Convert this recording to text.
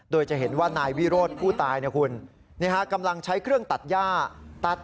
โดยจะเห็นว่านายวิโรธผู้ตายคุณกำลังใช้เครื่องตัดย่าตัด